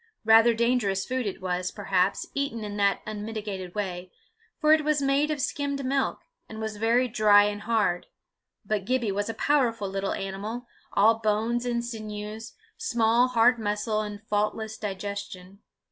Rather dangerous food it was, perhaps, eaten in that unmitigated way, for it was made of skimmed milk, and was very dry and hard; but Gibbie was a powerful little animal, all bones and sinews, small hard muscle, and faultless digestion.